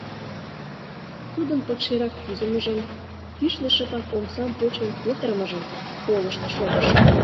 Тудын пыкшерак кӱзымыжым, кӱшнӧ шыпак омсам почын-петырымыжым колышт шогышым.